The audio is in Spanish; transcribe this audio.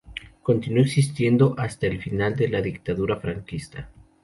Continuó existiendo hasta el final de la Dictadura franquista.